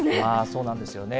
そうなんですよね。